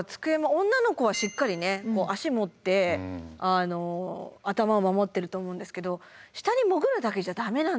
女の子はしっかり脚持って頭を守ってると思うんですけど下に潜るだけじゃ駄目なんですね。